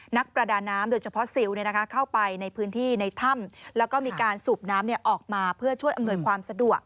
นักประดาน้ำโดยเฉพาะซิลเข้าไปในพื้นที่ในถ้ำแล้วก็มีการสูบน้ำออกมาเพื่อช่วยอำนวยความสะดวก